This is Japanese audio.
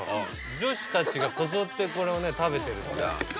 女子たちがこぞってこれを食べてる。